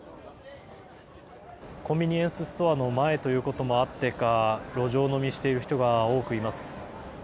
コンビニエンスストアの前ということもあってか路上飲みをしている人が多くいます。